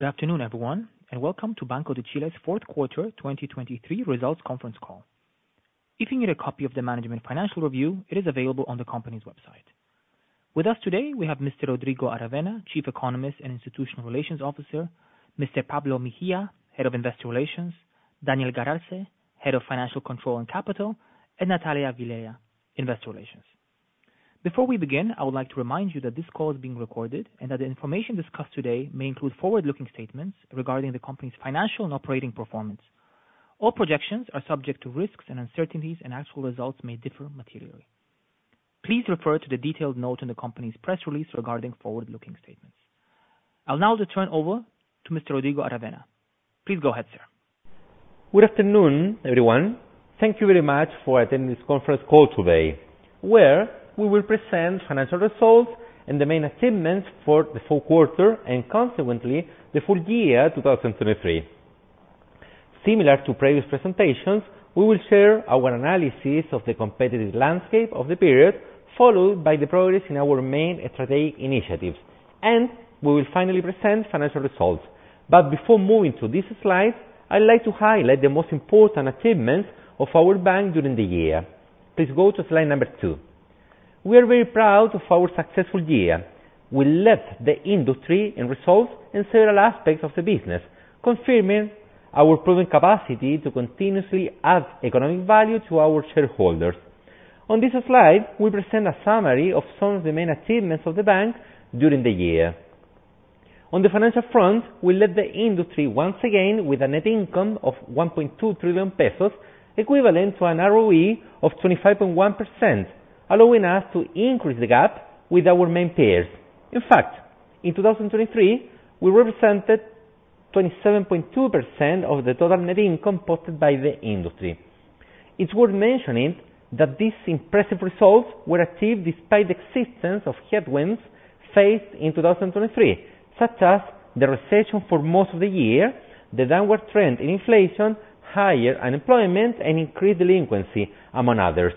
Good afternoon, everyone, and welcome to Banco de Chile's Fourth Quarter 2023 Results Conference Call. If you need a copy of the management financial review, it is available on the company's website. With us today, we have Mr. Rodrigo Aravena, Chief Economist and Institutional Relations Officer, Mr. Pablo Mejia, Head of Investor Relations, Daniel Galarce, Head of Financial Control and Capital, and Natalia Villela, Investor Relations. Before we begin, I would like to remind you that this call is being recorded, and that the information discussed today may include forward-looking statements regarding the company's financial and operating performance. All projections are subject to risks and uncertainties, and actual results may differ materially. Please refer to the detailed note in the company's press release regarding forward-looking statements. I'll now turn over to Mr. Rodrigo Aravena. Please go ahead, sir. Good afternoon, everyone. Thank you very much for attending this conference call today, where we will present financial results and the main achievements for the full quarter and consequently, the full year 2023. Similar to previous presentations, we will share our analysis of the competitive landscape of the period, followed by the progress in our main strategic initiatives, and we will finally present financial results. Before moving to this slide, I'd like to highlight the most important achievements of our bank during the year. Please go to slide number 2. We are very proud of our successful year. We led the industry in results in several aspects of the business, confirming our proven capacity to continuously add economic value to our shareholders. On this slide, we present a summary of some of the main achievements of the bank during the year. On the financial front, we led the industry once again with a net income of 1.2 trillion pesos, equivalent to an ROE of 25.1%, allowing us to increase the gap with our main peers. In fact, in 2023, we represented 27.2% of the total net income posted by the industry. It's worth mentioning that these impressive results were achieved despite the existence of headwinds faced in 2023, such as the recession for most of the year, the downward trend in inflation, higher unemployment, and increased delinquency, among others.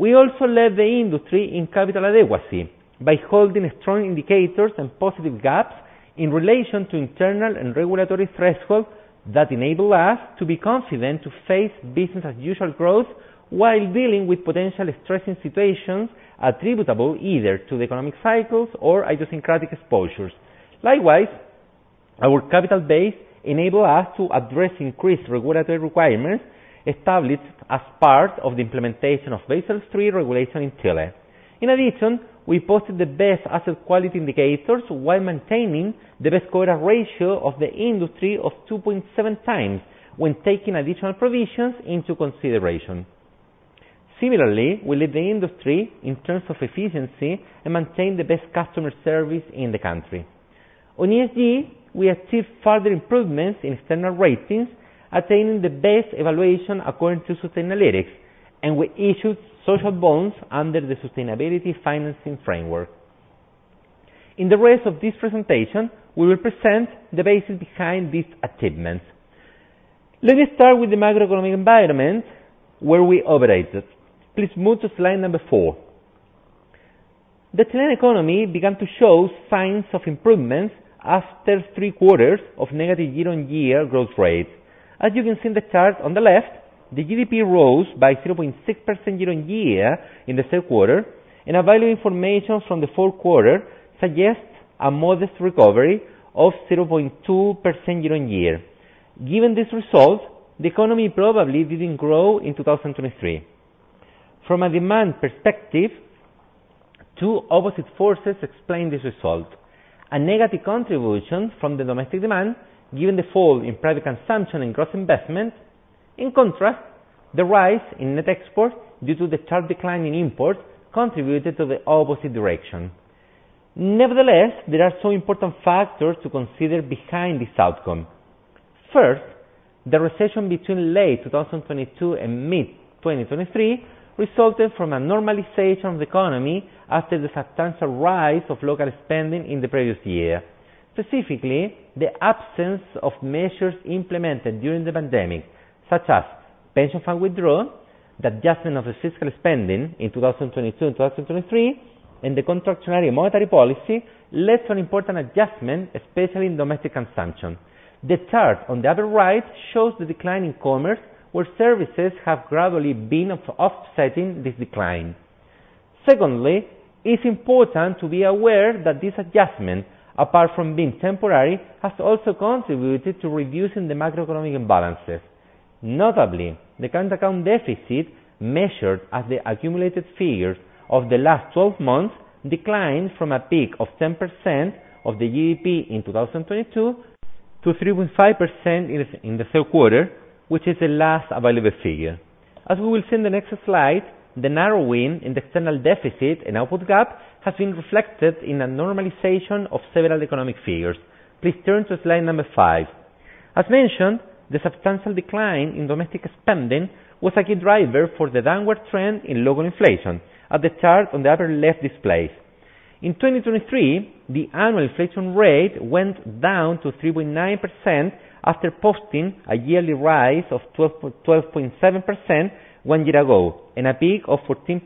We also led the industry in capital adequacy by holding strong indicators and positive gaps in relation to internal and regulatory thresholds that enable us to be confident to face business as usual growth while dealing with potentially stressing situations attributable either to the economic cycles or idiosyncratic exposures. Likewise, our capital base enable us to address increased regulatory requirements established as part of the implementation of Basel III regulation in Chile. In addition, we posted the best asset quality indicators while maintaining the best coverage ratio of the industry of 2.7 times when taking additional provisions into consideration. Similarly, we lead the industry in terms of efficiency and maintain the best customer service in the country. On ESG, we achieved further improvements in external ratings, attaining the best evaluation according to Sustainalytics, and we issued social bonds under the Sustainability Financing Framework. In the rest of this presentation, we will present the basis behind these achievements. Let me start with the macroeconomic environment where we operated. Please move to slide number 4. The Chilean economy began to show signs of improvements after three quarters of negative year-on-year growth rate. As you can see in the chart on the left, the GDP rose by 0.6% year-on-year in the third quarter, and available information from the fourth quarter suggests a modest recovery of 0.2% year-on-year. Given this result, the economy probably didn't grow in 2023. From a demand perspective, two opposite forces explain this result: a negative contribution from the domestic demand, given the fall in private consumption and gross investment. In contrast, the rise in net exports, due to the sharp decline in imports, contributed to the opposite direction. Nevertheless, there are some important factors to consider behind this outcome. First, the recession between late 2022 and mid-2023 resulted from a normalization of the economy after the substantial rise of local spending in the previous year. Specifically, the absence of measures implemented during the pandemic, such as pension fund withdrawal, the adjustment of the fiscal spending in 2022 and 2023, and the contractionary monetary policy, led to an important adjustment, especially in domestic consumption. The chart on the other right shows the decline in commerce, where services have gradually been offsetting this decline. Secondly, it's important to be aware that this adjustment, apart from being temporary, has also contributed to reducing the macroeconomic imbalances. Notably, the current account deficit, measured as the accumulated figures of the last 12 months, declined from a peak of 10% of the GDP in 2022 to 3.5% in the third quarter, which is the last available figure. As we will see in the next slide, the narrowing in the external deficit and output gap has been reflected in a normalization of several economic figures. Please turn to slide number 5. As mentioned, the substantial decline in domestic spending was a key driver for the downward trend in local inflation, as the chart on the upper left displays. In 2023, the annual inflation rate went down to 3.9% after posting a yearly rise of 12.7% one year ago, and a peak of 14%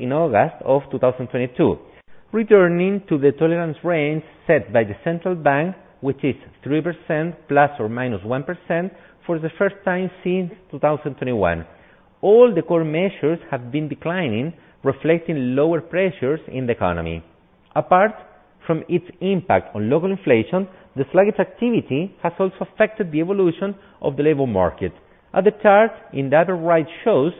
in August of 2022. Returning to the tolerance range set by the Central Bank, which is 3% ±1% for the first time since 2021. All the core measures have been declining, reflecting lower pressures in the economy. Apart from its impact on local inflation, the sluggish activity has also affected the evolution of the labor market. As the chart in the upper right shows,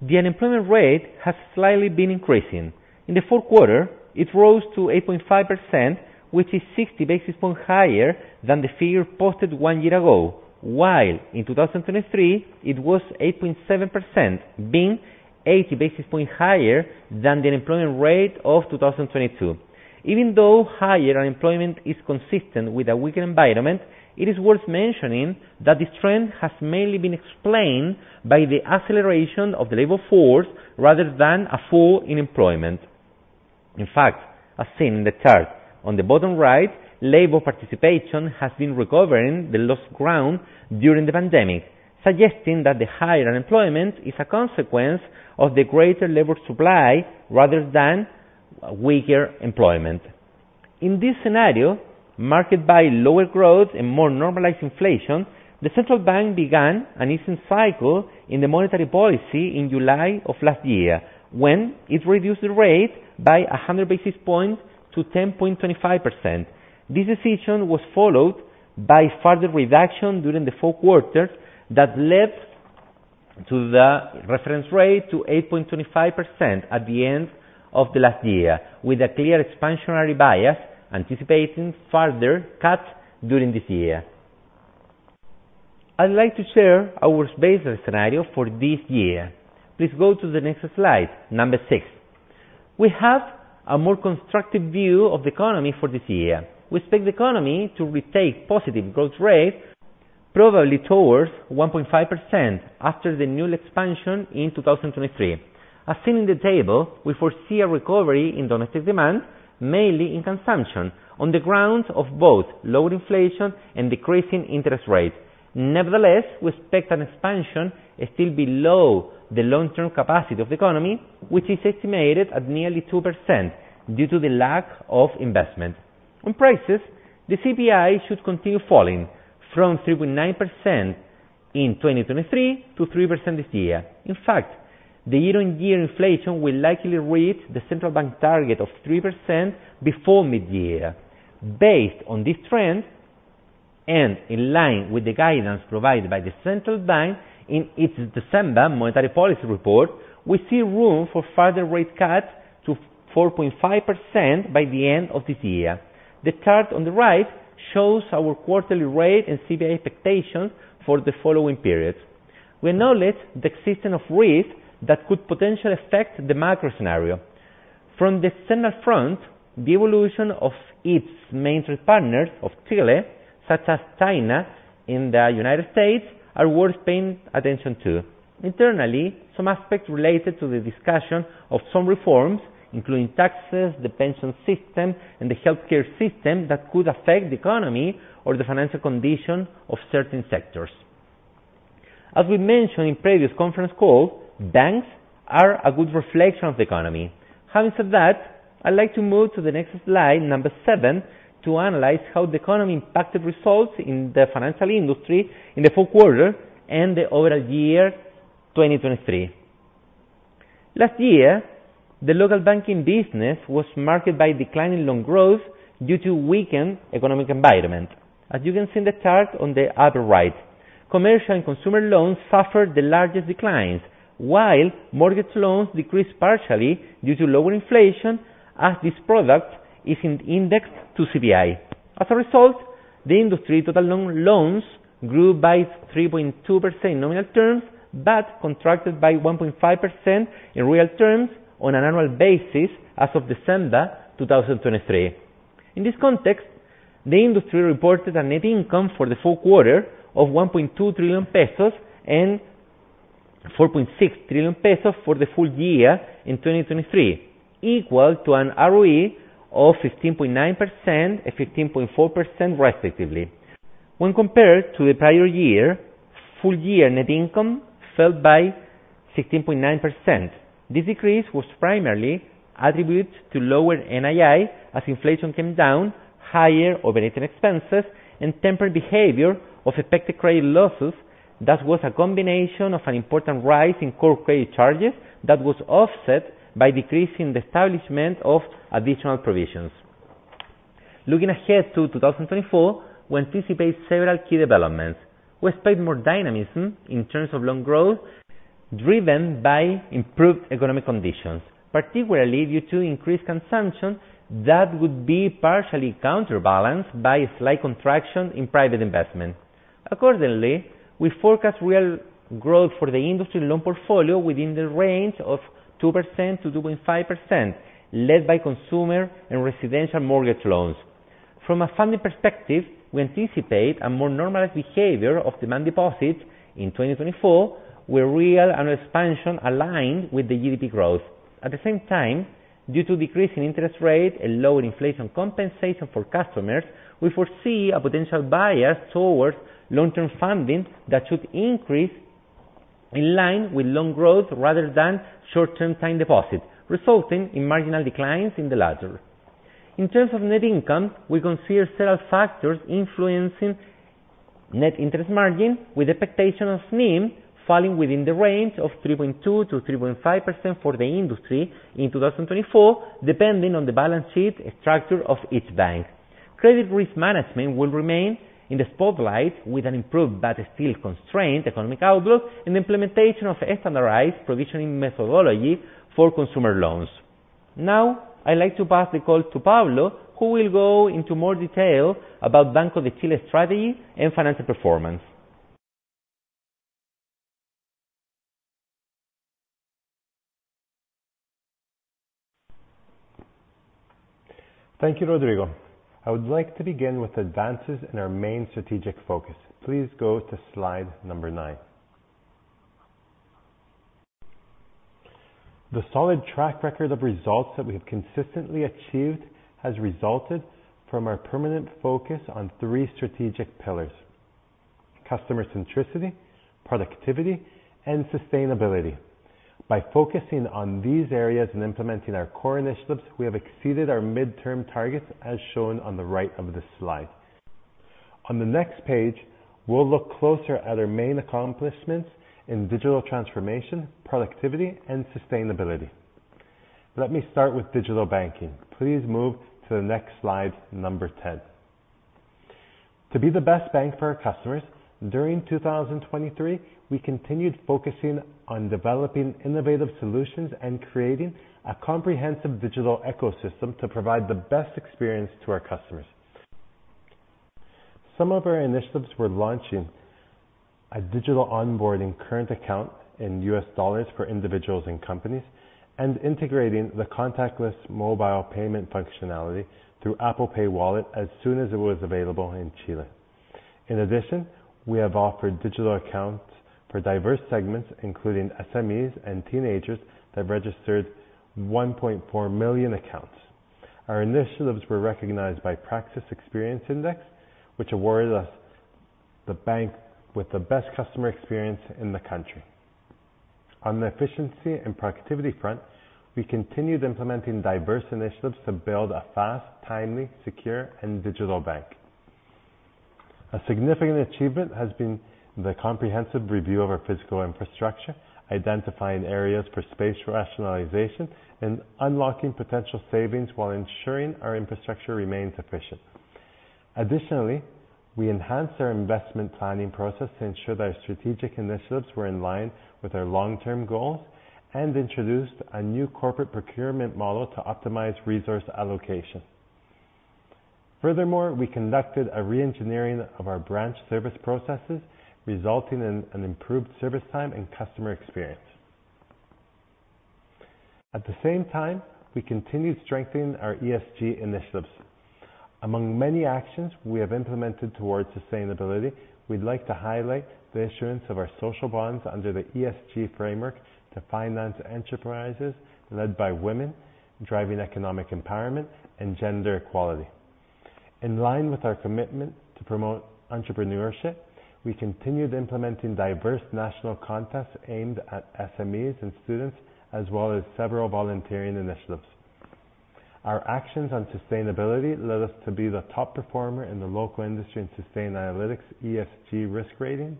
the unemployment rate has slightly been increasing. In the fourth quarter, it rose to 8.5%, which is 60 basis points higher than the figure posted one year ago, while in 2023, it was 8.7%, being 80 basis points higher than the unemployment rate of 2022. Even though higher unemployment is consistent with a weaker environment, it is worth mentioning that this trend has mainly been explained by the acceleration of the labor force rather than a fall in employment. In fact, as seen in the chart on the bottom right, labor participation has been recovering the lost ground during the pandemic, suggesting that the higher unemployment is a consequence of the greater labor supply rather than weaker employment. In this scenario, marked by lower growth and more normalized inflation, the central bank began an easing cycle in the monetary policy in July of last year, when it reduced the rate by 100 basis points to 10.25%. This decision was followed by further reduction during the fourth quarter that led to the reference rate to 8.25% at the end of the last year, with a clear expansionary bias, anticipating further cuts during this year. I'd like to share our base scenario for this year. Please go to the next slide, number 6. We have a more constructive view of the economy for this year. We expect the economy to retake positive growth rate, probably towards 1.5%, after the annual expansion in 2023. As seen in the table, we foresee a recovery in domestic demand, mainly in consumption, on the grounds of both lower inflation and decreasing interest rates. Nevertheless, we expect an expansion is still below the long-term capacity of the economy, which is estimated at nearly 2% due to the lack of investment. On prices, the CPI should continue falling from 3.9% in 2023 to 3% this year. In fact, the year-on-year inflation will likely reach the Central Bank target of 3% before mid-year. Based on this trend, and in line with the guidance provided by the Central Bank in its December monetary policy report, we see room for further rate cuts to 4.5% by the end of this year. The chart on the right shows our quarterly rate and CPI expectations for the following periods. We acknowledge the existence of risk that could potentially affect the macro scenario. From the external front, the evolution of its main trade partners of Chile, such as China and the United States, are worth paying attention to. Internally, some aspects related to the discussion of some reforms, including taxes, the pension system, and the healthcare system, that could affect the economy or the financial condition of certain sectors. As we mentioned in previous conference call, banks are a good reflection of the economy. Having said that, I'd like to move to the next slide, number 7, to analyze how the economy impacted results in the financial industry in the fourth quarter and the overall year 2023. Last year, the local banking business was marked by declining loan growth due to weakened economic environment. As you can see in the chart on the upper right, commercial and consumer loans suffered the largest declines, while mortgage loans decreased partially due to lower inflation, as this product is indexed to CPI. As a result, the industry total loan, loans grew by 3.2% in nominal terms, but contracted by 1.5% in real terms on an annual basis as of December 2023. In this context, the industry reported a net income for the fourth quarter of 1.2 trillion pesos and 4.6 trillion pesos for the full year in 2023, equal to an ROE of 15.9% and 15.4%, respectively. When compared to the prior year, full year net income fell by 16.9%. This decrease was primarily attributed to lower NII, as inflation came down, higher operating expenses, and tempered behavior of expected credit losses. That was a combination of an important rise in core credit charges that was offset by decreasing the establishment of additional provisions. Looking ahead to 2024, we anticipate several key developments. We expect more dynamism in terms of loan growth, driven by improved economic conditions, particularly due to increased consumption that would be partially counterbalanced by a slight contraction in private investment. Accordingly, we forecast real growth for the industry loan portfolio within the range of 2%-2.5%, led by consumer and residential mortgage loans. From a funding perspective, we anticipate a more normalized behavior of demand deposits in 2024, where real annual expansion aligned with the GDP growth. At the same time, due to decreasing interest rate and lower inflation compensation for customers, we foresee a potential bias towards long-term funding that should increase in line with loan growth rather than short-term time deposits, resulting in marginal declines in the latter. In terms of net income, we consider several factors influencing net interest margin, with expectation of NIM falling within the range of 3.2%-3.5% for the industry in 2024, depending on the balance sheet structure of each bank. Credit risk management will remain in the spotlight with an improved but still constrained economic outlook and implementation of standardized provisioning methodology for consumer loans. Now, I'd like to pass the call to Pablo, who will go into more detail about Banco de Chile's strategy and financial performance. Thank you, Rodrigo. I would like to begin with advances in our main strategic focus. Please go to slide number 9. The solid track record of results that we have consistently achieved has resulted from our permanent focus on 3 strategic pillars: customer centricity, productivity, and sustainability. By focusing on these areas and implementing our core initiatives, we have exceeded our midterm targets, as shown on the right of this slide. On the next page, we'll look closer at our main accomplishments in digital transformation, productivity, and sustainability. Let me start with digital banking. Please move to the next slide, number 10. To be the best bank for our customers, during 2023, we continued focusing on developing innovative solutions and creating a comprehensive digital ecosystem to provide the best experience to our customers. Some of our initiatives were launching a digital onboarding current account in U.S. dollars for individuals and companies, and integrating the contactless mobile payment functionality through Apple Pay wallet as soon as it was available in Chile. In addition, we have offered digital accounts for diverse segments, including SMEs and teenagers, that registered 1.4 million accounts. Our initiatives were recognized by Praxis Xperience Index, which awarded us the bank with the best customer experience in the country. On the efficiency and productivity front, we continued implementing diverse initiatives to build a fast, timely, secure, and digital bank. A significant achievement has been the comprehensive review of our physical infrastructure, identifying areas for space rationalization, and unlocking potential savings while ensuring our infrastructure remains efficient. Additionally, we enhanced our investment planning process to ensure that our strategic initiatives were in line with our long-term goals, and introduced a new corporate procurement model to optimize resource allocation. Furthermore, we conducted a reengineering of our branch service processes, resulting in an improved service time and customer experience. At the same time, we continued strengthening our ESG initiatives. Among many actions we have implemented towards sustainability, we'd like to highlight the issuance of our social bonds under the ESG framework to finance enterprises led by women, driving economic empowerment and gender equality. In line with our commitment to promote entrepreneurship, we continued implementing diverse national contests aimed at SMEs and students, as well as several volunteering initiatives. Our actions on sustainability led us to be the top performer in the local industry in Sustainalytics, ESG risk ratings,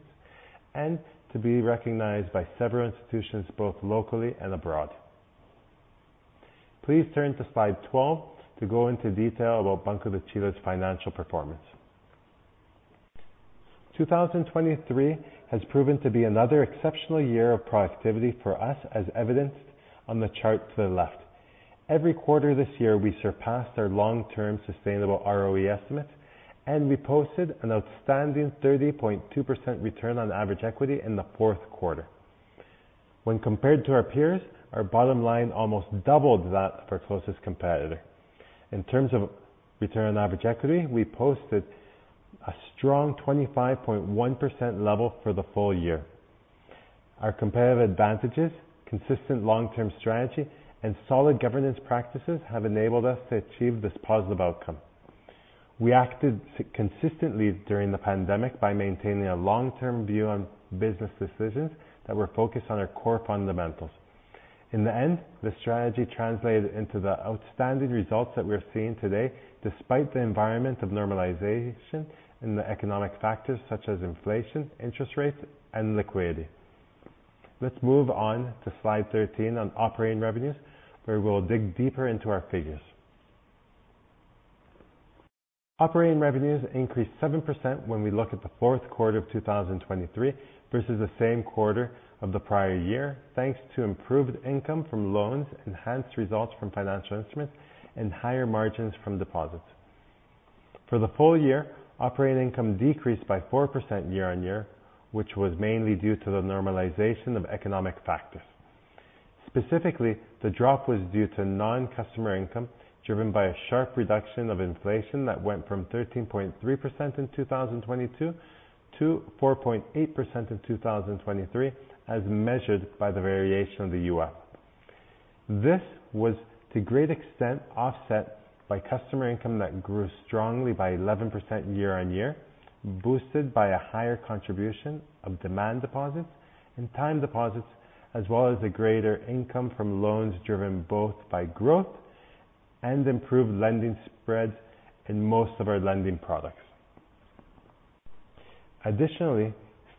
and to be recognized by several institutions, both locally and abroad. Please turn to slide 12 to go into detail about Banco de Chile's financial performance. 2023 has proven to be another exceptional year of productivity for us, as evidenced on the chart to the left. Every quarter this year, we surpassed our long-term sustainable ROE estimates, and we posted an outstanding 30.2% return on average equity in the fourth quarter. When compared to our peers, our bottom line almost doubled that of our closest competitor. In terms of return on average equity, we posted a strong 25.1% level for the full year. Our competitive advantages, consistent long-term strategy, and solid governance practices have enabled us to achieve this positive outcome. We acted consistently during the pandemic by maintaining a long-term view on business decisions that were focused on our core fundamentals. In the end, the strategy translated into the outstanding results that we're seeing today, despite the environment of normalization and the economic factors such as inflation, interest rates, and liquidity. Let's move on to slide 13 on operating revenues, where we'll dig deeper into our figures. Operating revenues increased 7% when we look at the fourth quarter of 2023 versus the same quarter of the prior year, thanks to improved income from loans, enhanced results from financial instruments, and higher margins from deposits. For the full year, operating income decreased by 4% year-on-year, which was mainly due to the normalization of economic factors. Specifically, the drop was due to non-customer income, driven by a sharp reduction of inflation that went from 13.3% in 2022 to 4.8% in 2023, as measured by the variation of the UF. This was to a great extent, offset by customer income that grew strongly by 11% year-on-year, boosted by a higher contribution of demand deposits and time deposits, as well as the greater income from loans driven both by growth and improved lending spreads in most of our lending products. Additionally,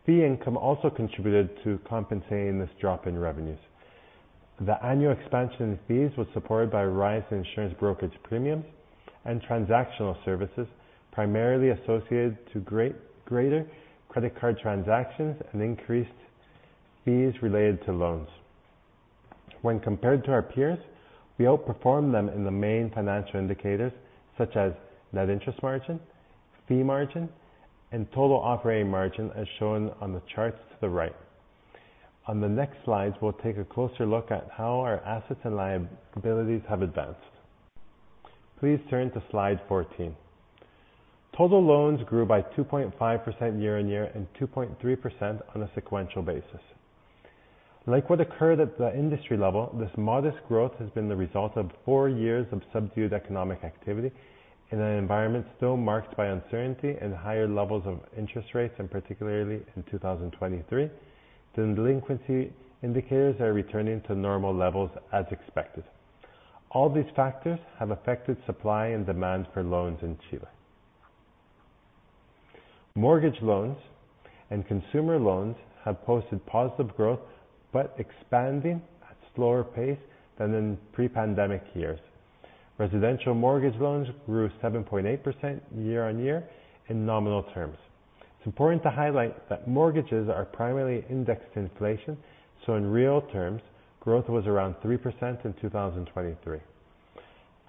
fee income also contributed to compensating this drop in revenues. The annual expansion in fees was supported by a rise in insurance brokerage premiums and transactional services, primarily associated to greater credit card transactions and increased fees related to loans. When compared to our peers, we outperformed them in the main financial indicators such as net interest margin, fee margin, and total operating margin, as shown on the charts to the right. On the next slides, we'll take a closer look at how our assets and liabilities have advanced. Please turn to slide 14. Total loans grew by 2.5% year-on-year and 2.3% on a sequential basis. Like what occurred at the industry level, this modest growth has been the result of four years of subdued economic activity in an environment still marked by uncertainty and higher levels of interest rates, and particularly in 2023, the delinquency indicators are returning to normal levels as expected. All these factors have affected supply and demand for loans in Chile. Mortgage loans and consumer loans have posted positive growth, but expanding at slower pace than in pre-pandemic years. Residential mortgage loans grew 7.8% year-over-year in nominal terms. It's important to highlight that mortgages are primarily indexed to inflation, so in real terms, growth was around 3% in 2023.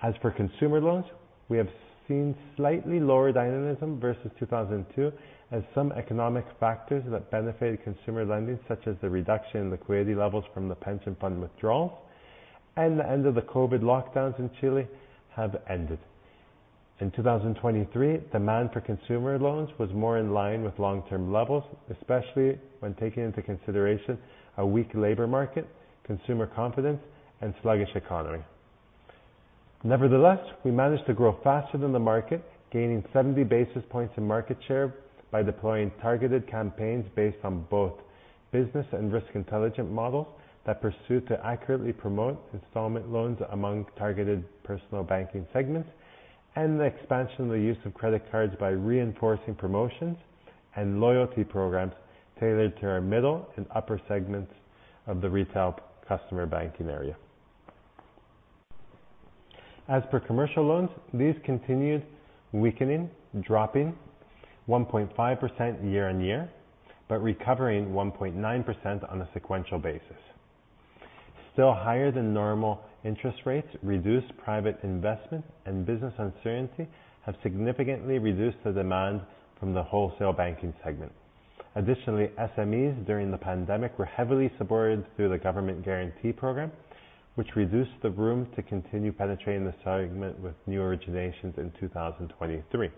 As for consumer loans, we have seen slightly lower dynamism versus 2002, as some economic factors that benefited consumer lending, such as the reduction in liquidity levels from the pension fund withdrawals and the end of the COVID lockdowns in Chile, have ended. In 2023, demand for consumer loans was more in line with long-term levels, especially when taking into consideration a weak labor market, consumer confidence, and sluggish economy. Nevertheless, we managed to grow faster than the market, gaining 70 basis points in market share by deploying targeted campaigns based on both business and risk intelligent models that pursue to accurately promote installment loans among targeted personal banking segments, and the expansion of the use of credit cards by reinforcing promotions and loyalty programs tailored to our middle and upper segments of the retail customer banking area. As for commercial loans, these continued weakening, dropping 1.5% year-on-year, but recovering 1.9% on a sequential basis. Still higher than normal interest rates, reduced private investment and business uncertainty have significantly reduced the demand from the wholesale banking segment. Additionally, SMEs during the pandemic were heavily supported through the government guarantee program, which reduced the room to continue penetrating the segment with new originations in 2023.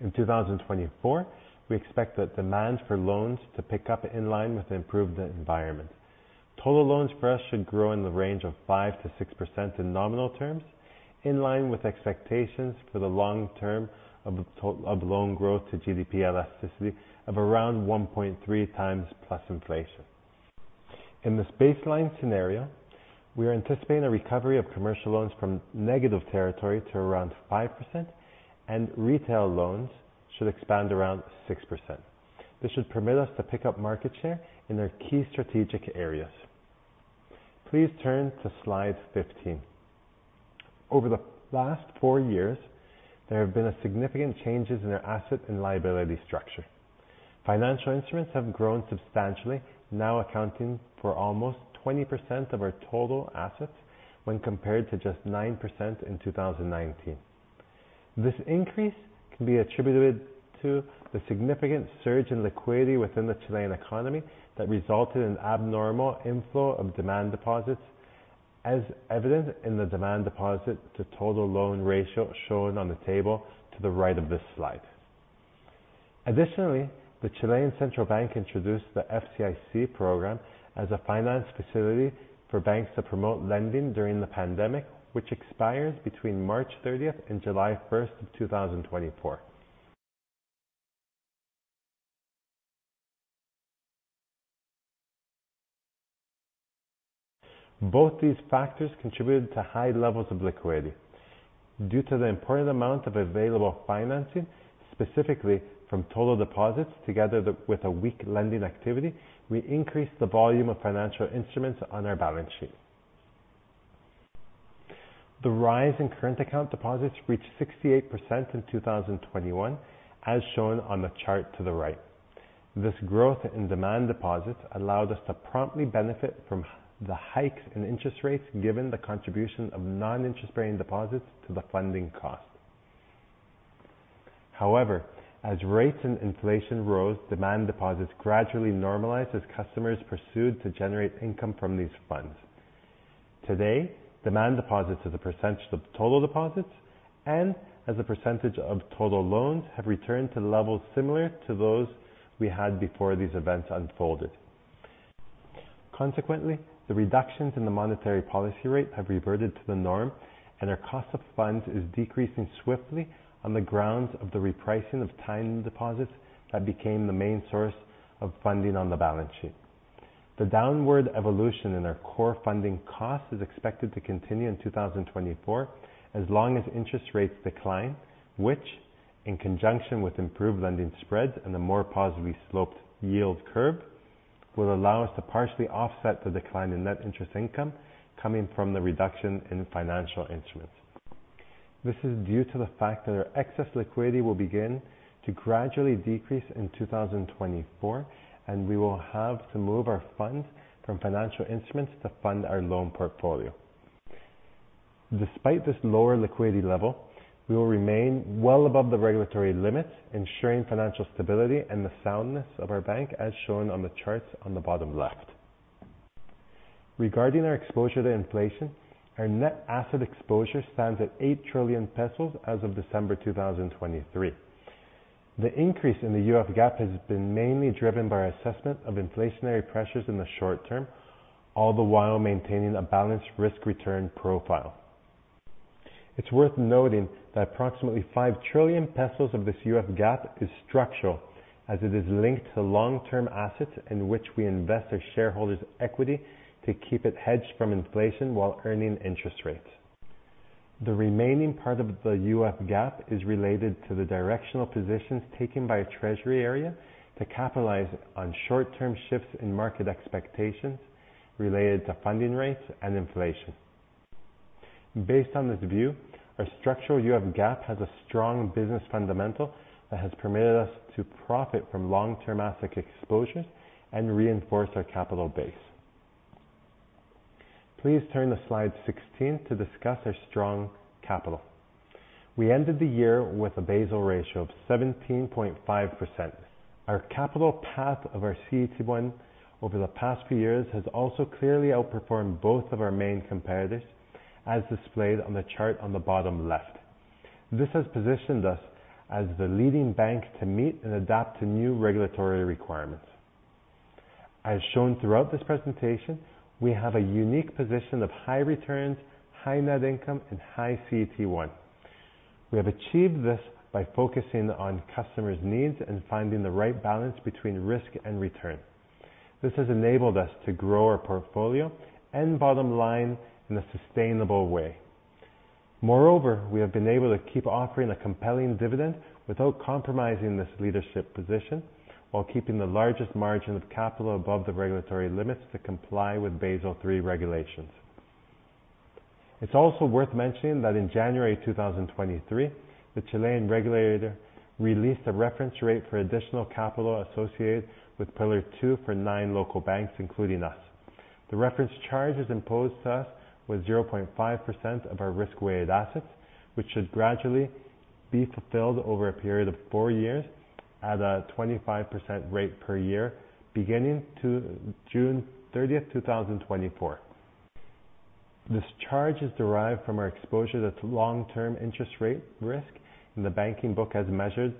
In 2024, we expect the demand for loans to pick up in line with the improved environment. Total loans for us should grow in the range of 5%-6% in nominal terms, in line with expectations for the long term of loan growth to GDP elasticity of around 1.3 times plus inflation. In this baseline scenario, we are anticipating a recovery of commercial loans from negative territory to around 5%, and retail loans should expand around 6%. This should permit us to pick up market share in our key strategic areas. Please turn to slide 15. Over the last 4 years, there have been significant changes in our asset and liability structure. Financial instruments have grown substantially, now accounting for almost 20% of our total assets when compared to just 9% in 2019. This increase can be attributed to the significant surge in liquidity within the Chilean economy that resulted in abnormal inflow of demand deposits, as evident in the demand deposit to total loan ratio shown on the table to the right of this slide. Additionally, the Chilean Central Bank introduced the FCIC program as a finance facility for banks to promote lending during the pandemic, which expires between March 30th and July 1st of 2024. Both these factors contributed to high levels of liquidity. Due to the important amount of available financing, specifically from total deposits, together with a weak lending activity, we increased the volume of financial instruments on our balance sheet. The rise in current account deposits reached 68% in 2021, as shown on the chart to the right. This growth in demand deposits allowed us to promptly benefit from the hikes in interest rates, given the contribution of non-interest-bearing deposits to the funding cost. However, as rates and inflation rose, demand deposits gradually normalized as customers pursued to generate income from these funds.... Today, demand deposits as a percentage of total deposits and as a percentage of total loans have returned to levels similar to those we had before these events unfolded. Consequently, the reductions in the monetary policy rate have reverted to the norm, and our cost of funds is decreasing swiftly on the grounds of the repricing of time deposits that became the main source of funding on the balance sheet. The downward evolution in our core funding cost is expected to continue in 2024, as long as interest rates decline, which, in conjunction with improved lending spreads and a more positively sloped yield curve, will allow us to partially offset the decline in net interest income coming from the reduction in financial instruments. This is due to the fact that our excess liquidity will begin to gradually decrease in 2024, and we will have to move our funds from financial instruments to fund our loan portfolio. Despite this lower liquidity level, we will remain well above the regulatory limits, ensuring financial stability and the soundness of our bank, as shown on the charts on the bottom left. Regarding our exposure to inflation, our net asset exposure stands at 8 trillion pesos as of December 2023. The increase in the UF gap has been mainly driven by our assessment of inflationary pressures in the short term, all the while maintaining a balanced risk-return profile. It's worth noting that approximately 5 trillion pesos of this UF gap is structural, as it is linked to long-term assets in which we invest our shareholders' equity to keep it hedged from inflation while earning interest rates. The remaining part of the UF gap is related to the directional positions taken by a treasury area to capitalize on short-term shifts in market expectations related to funding rates and inflation. Based on this view, our structural UF gap has a strong business fundamental that has permitted us to profit from long-term asset exposure and reinforce our capital base. Please turn to slide 16 to discuss our strong capital. We ended the year with a Basel ratio of 17.5%. Our capital path of our CET1 over the past few years has also clearly outperformed both of our main competitors, as displayed on the chart on the bottom left. This has positioned us as the leading bank to meet and adapt to new regulatory requirements. As shown throughout this presentation, we have a unique position of high returns, high net income, and high CET1. We have achieved this by focusing on customers' needs and finding the right balance between risk and return. This has enabled us to grow our portfolio and bottom line in a sustainable way. Moreover, we have been able to keep offering a compelling dividend without compromising this leadership position, while keeping the largest margin of capital above the regulatory limits to comply with Basel III regulations. It's also worth mentioning that in January 2023, the Chilean regulator released a reference rate for additional capital associated with Pillar Two for 9 local banks, including us. The reference charges imposed to us was 0.5% of our risk-weighted assets, which should gradually be fulfilled over a period of 4 years at a 25% rate per year, beginning to June 30th, 2024. This charge is derived from our exposure to long-term interest rate risk in the banking book as measured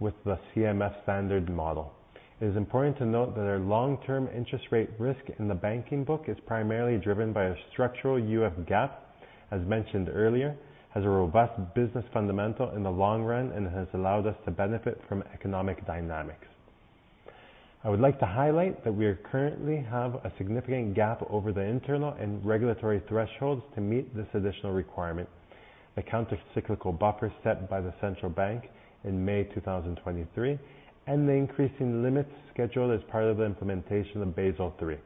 with the CMF standard model. It is important to note that our long-term interest rate risk in the banking book is primarily driven by a structural UF gap, as mentioned earlier, has a robust business fundamental in the long run, and has allowed us to benefit from economic dynamics. I would like to highlight that we currently have a significant gap over the internal and regulatory thresholds to meet this additional requirement, the countercyclical buffer set by the central bank in May 2023, and the increasing limits scheduled as part of the implementation of Basel III.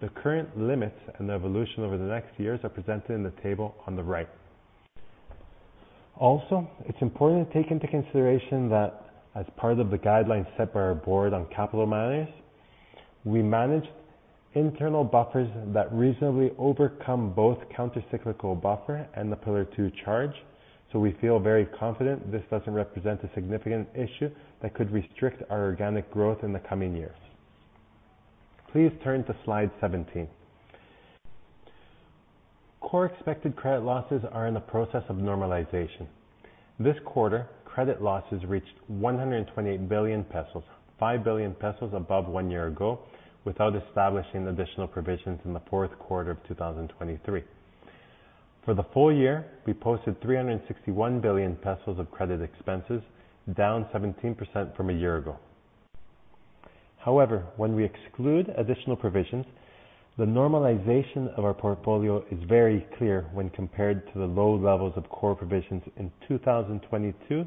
The current limits and the evolution over the next years are presented in the table on the right. Also, it's important to take into consideration that as part of the guidelines set by our board on capital management, we manage internal buffers that reasonably overcome both countercyclical buffer and the Pillar Two charge, so we feel very confident this doesn't represent a significant issue that could restrict our organic growth in the coming years. Please turn to slide 17. Core expected credit losses are in the process of normalization. This quarter, credit losses reached 128 billion pesos, 5 billion pesos above one year ago, without establishing additional provisions in the fourth quarter of 2023. For the full year, we posted 361 billion pesos of credit expenses, down 17% from a year ago. However, when we exclude additional provisions, the normalization of our portfolio is very clear when compared to the low levels of core provisions in 2022,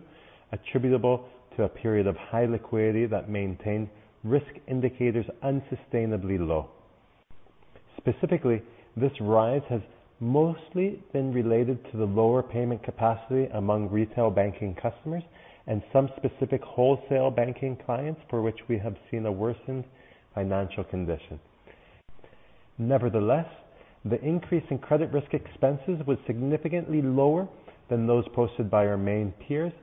attributable to a period of high liquidity that maintained risk indicators unsustainably low. Specifically, this rise has mostly been related to the lower payment capacity among retail banking customers and some specific wholesale banking clients for which we have seen a worsened financial condition. Nevertheless, the increase in credit risk expenses was significantly lower than those posted by our main peers....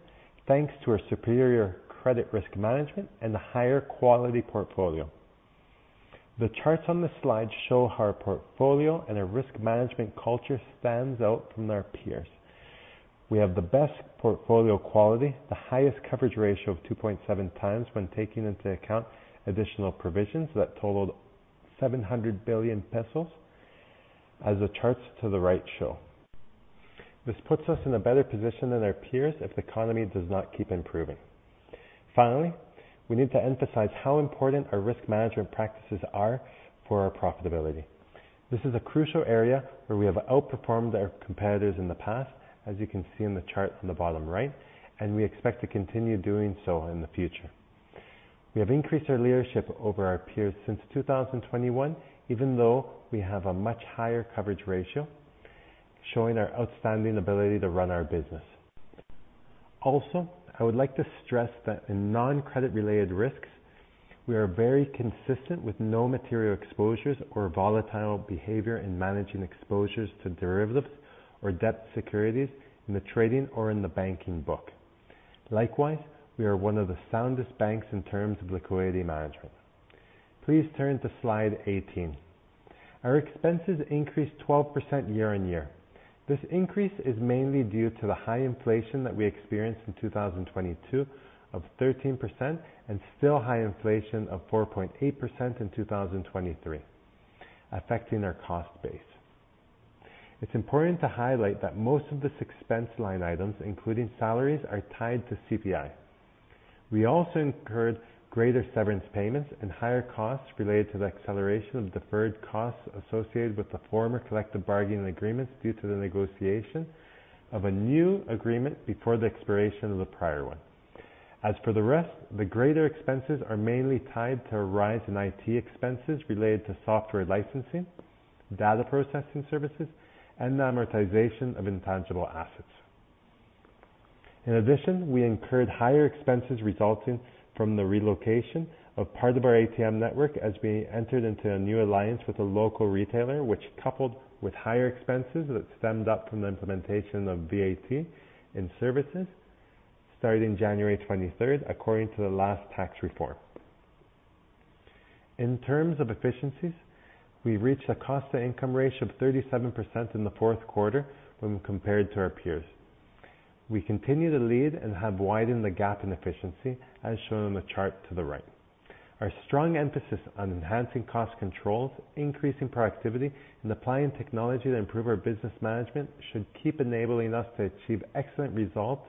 Thanks to our superior credit risk management and the higher quality portfolio. The charts on this slide show how our portfolio and our risk management culture stands out from our peers. We have the best portfolio quality, the highest coverage ratio of 2.7 times when taking into account additional provisions that totaled 700 billion pesos, as the charts to the right show. This puts us in a better position than our peers if the economy does not keep improving. Finally, we need to emphasize how important our risk management practices are for our profitability. This is a crucial area where we have outperformed our competitors in the past, as you can see in the chart on the bottom right, and we expect to continue doing so in the future. We have increased our leadership over our peers since 2021, even though we have a much higher coverage ratio, showing our outstanding ability to run our business. Also, I would like to stress that in non-credit related risks, we are very consistent with no material exposures or volatile behavior in managing exposures to derivatives or debt securities in the trading or in the banking book. Likewise, we are one of the soundest banks in terms of liquidity management. Please turn to slide 18. Our expenses increased 12% year-on-year. This increase is mainly due to the high inflation that we experienced in 2022 of 13%, and still high inflation of 4.8% in 2023, affecting our cost base. It's important to highlight that most of this expense line items, including salaries, are tied to CPI. We also incurred greater severance payments and higher costs related to the acceleration of deferred costs associated with the former collective bargaining agreements due to the negotiation of a new agreement before the expiration of the prior one. As for the rest, the greater expenses are mainly tied to a rise in IT expenses related to software licensing, data processing services, and amortization of intangible assets. In addition, we incurred higher expenses resulting from the relocation of part of our ATM network as we entered into a new alliance with a local retailer, which, coupled with higher expenses that stemmed from the implementation of VAT in services starting January 23rd, according to the last tax reform. In terms of efficiencies, we reached a cost-to-income ratio of 37% in the fourth quarter when compared to our peers. We continue to lead and have widened the gap in efficiency, as shown in the chart to the right. Our strong emphasis on enhancing cost controls, increasing productivity, and applying technology to improve our business management, should keep enabling us to achieve excellent results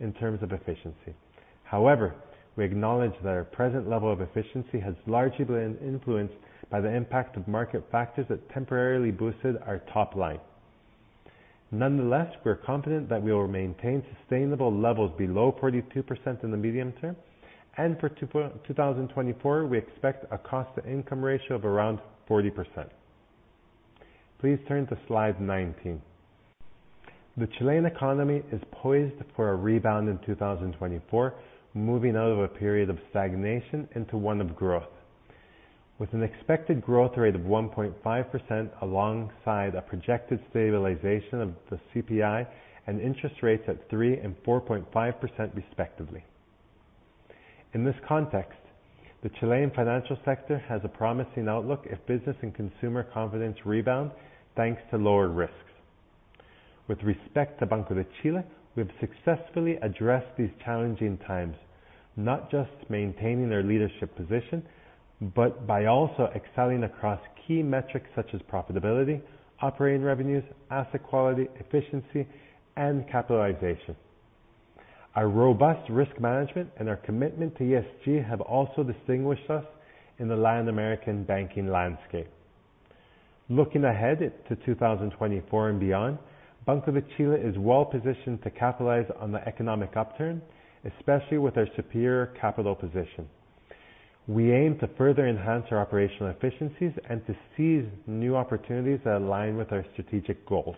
in terms of efficiency. However, we acknowledge that our present level of efficiency has largely been influenced by the impact of market factors that temporarily boosted our top line. Nonetheless, we're confident that we will maintain sustainable levels below 42% in the medium term, and for 2024, we expect a cost-to-income ratio of around 40%. Please turn to slide 19. The Chilean economy is poised for a rebound in 2024, moving out of a period of stagnation into one of growth. With an expected growth rate of 1.5%, alongside a projected stabilization of the CPI and interest rates at 3% and 4.5% respectively. In this context, the Chilean financial sector has a promising outlook if business and consumer confidence rebound thanks to lowered risks. With respect to Banco de Chile, we have successfully addressed these challenging times, not just maintaining their leadership position, but by also excelling across key metrics such as profitability, operating revenues, asset quality, efficiency, and capitalization. Our robust risk management and our commitment to ESG have also distinguished us in the Latin American banking landscape. Looking ahead to 2024 and beyond, Banco de Chile is well positioned to capitalize on the economic upturn, especially with our superior capital position. We aim to further enhance our operational efficiencies and to seize new opportunities that align with our strategic goals.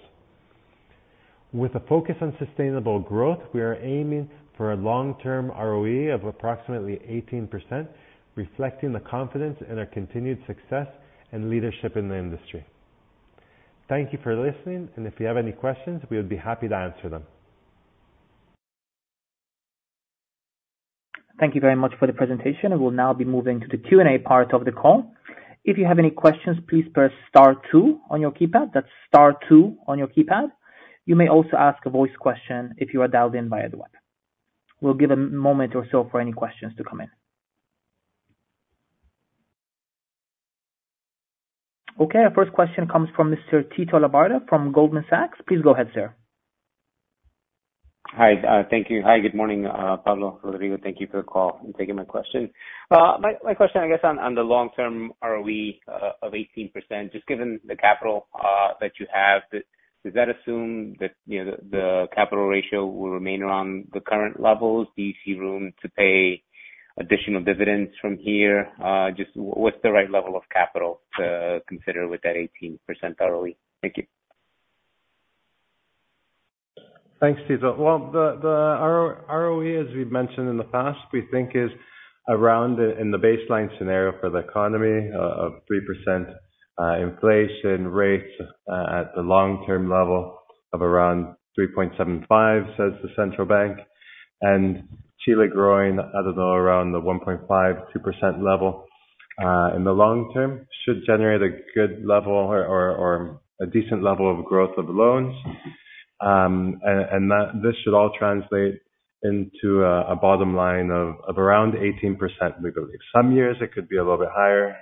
With a focus on sustainable growth, we are aiming for a long-term ROE of approximately 18%, reflecting the confidence in our continued success and leadership in the industry. Thank you for listening, and if you have any questions, we would be happy to answer them. Thank you very much for the presentation. We'll now be moving to the Q&A part of the call. If you have any questions, please press star two on your keypad. That's star two on your keypad. You may also ask a voice question if you are dialed in by a web. We'll give a moment or so for any questions to come in. Okay, our first question comes from Mr. Tito Labarta from Goldman Sachs. Please go ahead, sir. Hi. Thank you. Hi, good morning, Pablo, Rodrigo, thank you for the call and taking my question. My question, I guess, on the long term ROE of 18%, just given the capital that you have, does that assume that, you know, the capital ratio will remain around the current levels? Do you see room to pay additional dividends from here? Just what's the right level of capital to consider with that 18% ROE? Thank you. Thanks, Tito. Well, the ROE, as we've mentioned in the past, we think is around in the baseline scenario for the economy of 3% inflation rates at the long-term level of around 3.75%, says the central bank, and Chile growing at around the 1.5%-2% level in the long term, should generate a good level or a decent level of growth of loans. And that—this should all translate into a bottom line of around 18% we believe. Some years it could be a little bit higher,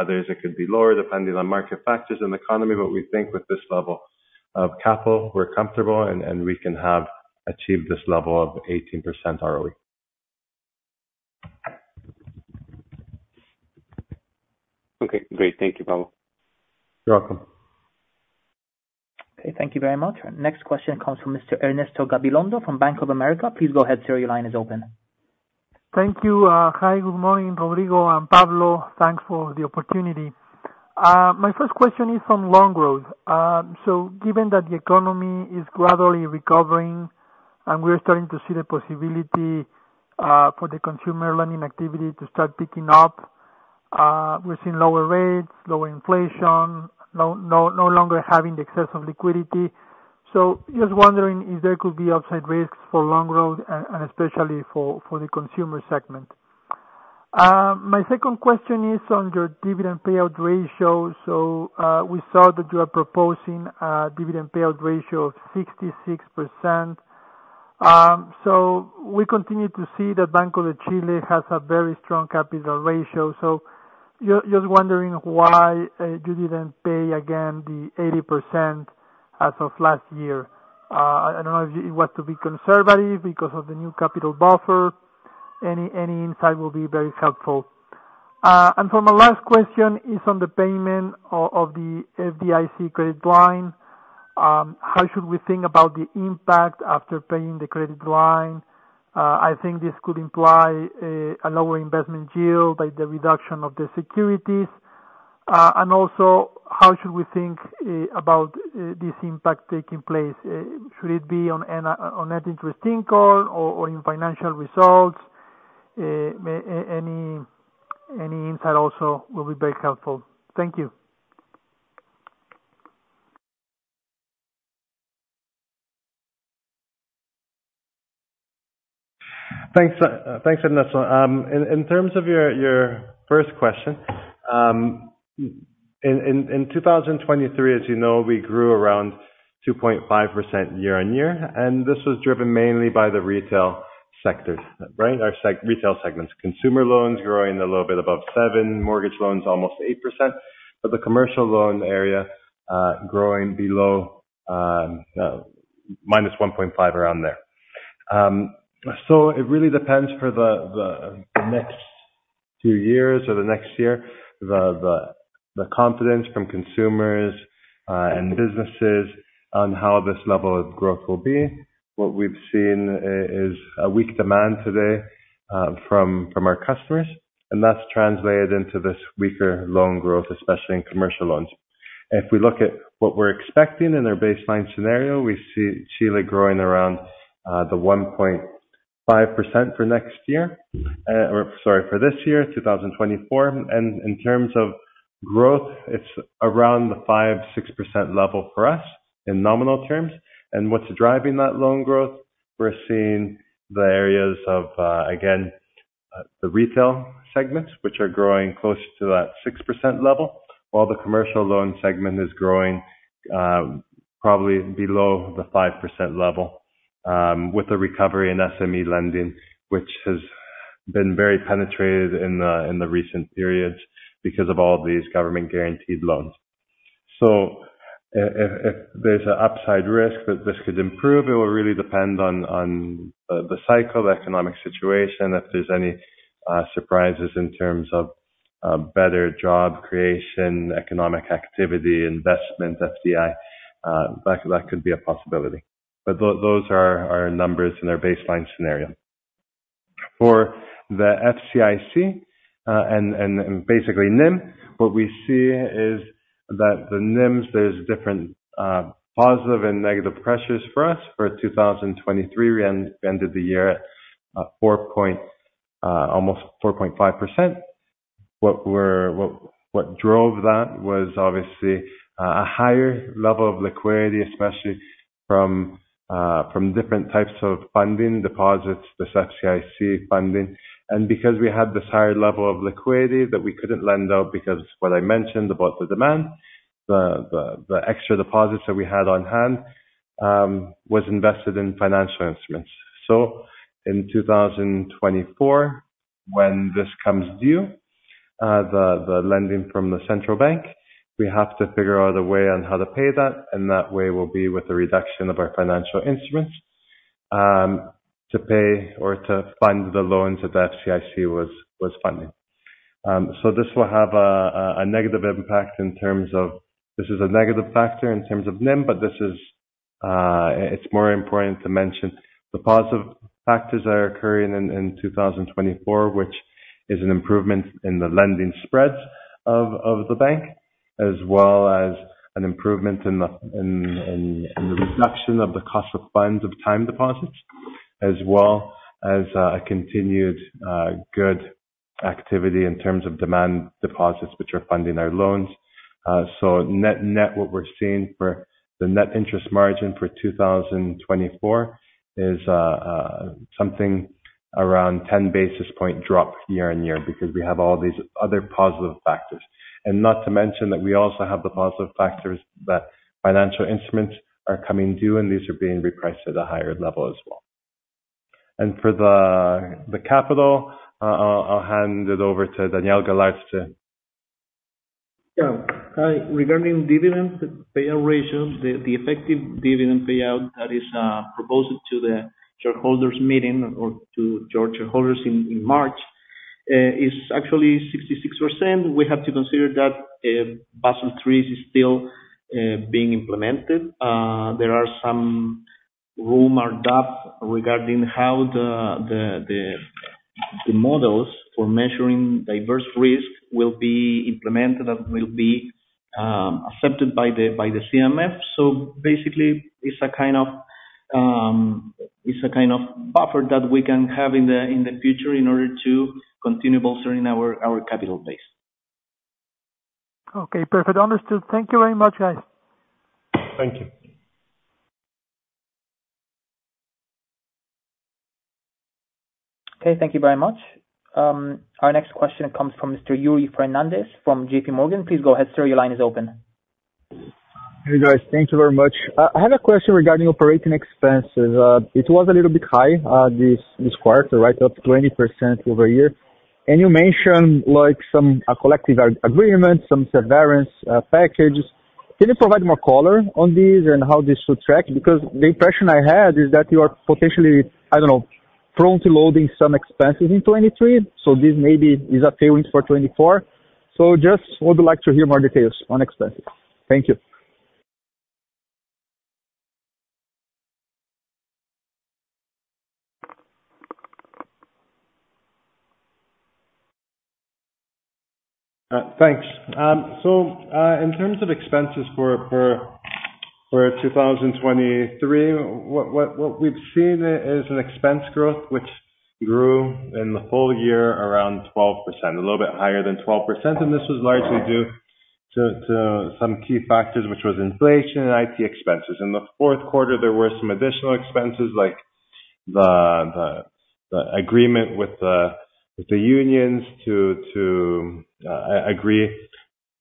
others it could be lower, depending on market factors and the economy, but we think with this level of capital, we're comfortable and we can have achieved this level of 18% ROE. Okay, great. Thank you, Pablo. You're welcome. Okay, thank you very much. Our next question comes from Mr. Ernesto Gabilondo from Bank of America. Please go ahead, sir. Your line is open. Thank you. Hi, good morning, Rodrigo and Pablo. Thanks for the opportunity. My first question is on loan growth. So given that the economy is gradually recovering and we are starting to see the possibility for the consumer lending activity to start picking up, we're seeing lower rates, lower inflation, no longer having the excess of liquidity. So just wondering if there could be upside risks for loan growth, and especially for the consumer segment. My second question is on your dividend payout ratio. So, we saw that you are proposing a dividend payout ratio of 66%. So we continue to see that Banco de Chile has a very strong capital ratio. So just wondering why you didn't pay again the 80% as of last year? I don't know if it was to be conservative because of the new capital buffer. Any insight will be very helpful. And for my last question is on the payment of the FDIC credit line. How should we think about the impact after paying the credit line? I think this could imply a lower investment yield by the reduction of the securities. And also, how should we think about this impact taking place? Should it be on net interest income or in financial results? Any insight also will be very helpful. Thank you. Thanks. Thanks, Ernesto. In terms of your first question, in 2023, as you know, we grew around 2.5% year-on-year, and this was driven mainly by the retail sector, right? Our retail segments. Consumer loans growing a little bit above 7, mortgage loans almost 8%, but the commercial loan area growing below -1.5 around there. So it really depends for the next few years or the next year, the confidence from consumers and businesses on how this level of growth will be. What we've seen is a weak demand today from our customers, and that's translated into this weaker loan growth, especially in commercial loans. If we look at what we're expecting in our baseline scenario, we see Chile growing around the 1.5% for next year, or sorry, for this year, 2024. And in terms of growth, it's around the 5%-6% level for us in nominal terms. And what's driving that loan growth? We're seeing the areas of, again, the retail segments, which are growing close to that 6% level, while the commercial loan segment is growing, probably below the 5% level, with a recovery in SME lending, which has been very penetrated in the recent periods because of all these government guaranteed loans. So if, if there's an upside risk that this could improve, it will really depend on, on the cycle, the economic situation, if there's any surprises in terms of better job creation, economic activity, investment, FDI, that, that could be a possibility. But those are our numbers and our baseline scenario. For the FCIC, and basically NIM, what we see is that the NIMs, there's different positive and negative pressures for us. For 2023, we ended the year at four point almost 4.5%. What drove that was obviously a higher level of liquidity, especially from different types of funding deposits, this FCIC funding. And because we had this higher level of liquidity that we couldn't lend out, because what I mentioned about the demand, the extra deposits that we had on hand was invested in financial instruments. So in 2024, when this comes due, the lending from the central bank, we have to figure out a way on how to pay that, and that way will be with the reduction of our financial instruments to pay or to fund the loans that the FCIC was funding. So this will have a negative impact in terms of... This is a negative factor in terms of NIM, but this is, it's more important to mention the positive factors that are occurring in 2024, which is an improvement in the lending spreads of the bank, as well... An improvement in the reduction of the cost of funds of time deposits, as well as a continued good activity in terms of demand deposits, which are funding our loans. So net, what we're seeing for the net interest margin for 2024 is something around 10 basis point drop year-on-year, because we have all these other positive factors. And not to mention that we also have the positive factors that financial instruments are coming due, and these are being repriced at a higher level as well. And for the capital, I'll hand it over to Daniel Galarce. Yeah. Hi, regarding dividend payout ratio, the effective dividend payout that is proposed to the shareholders' meeting or to your shareholders in March is actually 66%. We have to consider that Basel III is still being implemented. There are some rumor, doubt regarding how the models for measuring diverse risk will be implemented and will be accepted by the CMF. So basically, it's a kind of buffer that we can have in the future in order to continue bolstering our capital base. Okay, perfect. Understood. Thank you very much, guys. Thank you. Okay, thank you very much. Our next question comes from Mr. Yuri Fernandes from JP Morgan. Please go ahead, sir. Your line is open. Hey, guys. Thank you very much. I had a question regarding operating expenses. It was a little bit high, this quarter, right up to 20% over a year. And you mentioned, like, some collective agreement, some severance packages. Can you provide more color on this and how this should track? Because the impression I had is that you are potentially, I don't know, prone to loading some expenses in 2023, so this maybe is a tailwind for 2024. So just would like to hear more details on expenses. Thank you. Thanks. So, in terms of expenses for 2023, what we've seen is an expense growth, which grew in the whole year around 12%, a little bit higher than 12%, and this was largely due to some key factors, which was inflation and IT expenses. In the fourth quarter, there were some additional expenses, like the agreement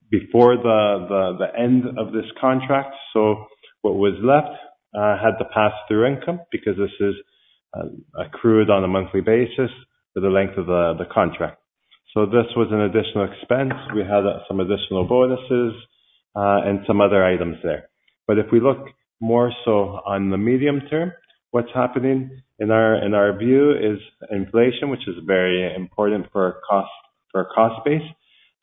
with the unions to agree before the end of this contract. So what was left had to pass through income because this is accrued on a monthly basis for the length of the contract. So this was an additional expense. We had some additional bonuses and some other items there. But if we look more so on the medium term, what's happening in our view is inflation, which is very important for our cost base.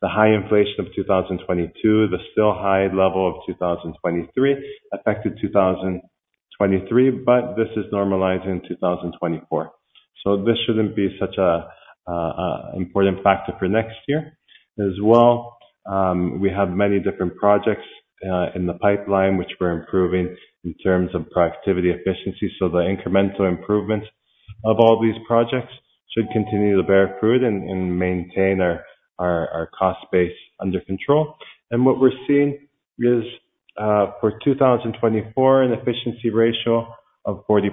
The high inflation of 2022, the still high level of 2023, affected 2023, but this is normalizing in 2024. So this shouldn't be such an important factor for next year. As well, we have many different projects in the pipeline, which we're improving in terms of productivity efficiency, so the incremental improvement of all these projects should continue to bear fruit and maintain our cost base under control. What we're seeing is, for 2024, an efficiency ratio of 40%,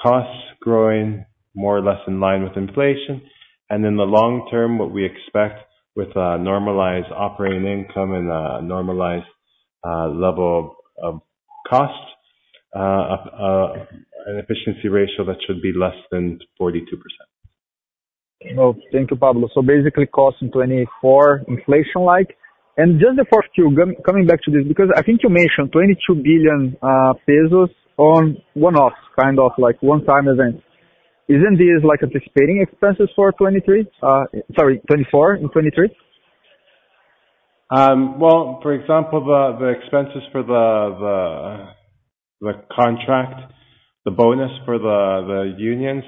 costs growing more or less in line with inflation, and in the long term, what we expect with a normalized operating income and a normalized level of cost, an efficiency ratio that should be less than 42%. Oh, thank you, Pablo. So basically, costs in 2024, inflation-like. And just the first Q, coming back to this, because I think you mentioned 22 billion pesos on one-off, kind of like one-time event. Isn't this like anticipating expenses for 2023? Sorry, 2024 and 2023? Well, for example, the expenses for the contract, the bonus for the unions,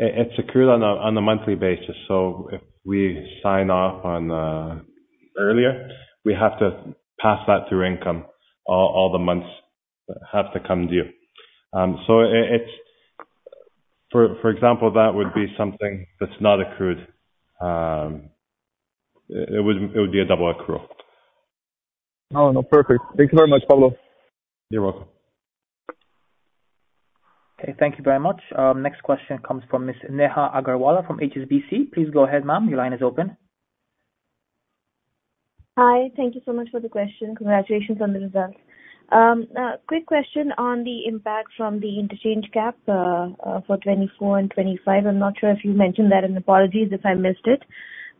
it's accrued on a monthly basis. So if we sign off on earlier, we have to pass that through income, all the months have to come due. So it's... For example, that would be something that's not accrued. It would be a double accrual. Oh, no, perfect. Thank you very much, Pablo. You're welcome. Okay, thank you very much. Next question comes from Miss Neha Agarwala from HSBC. Please go ahead, ma'am. Your line is open. Hi, thank you so much for the question. Congratulations on the results. Quick question on the impact from the interchange cap for 2024 and 2025. I'm not sure if you mentioned that, and apologies if I missed it.